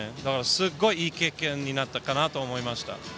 すごい良い経験になったかなと思いました。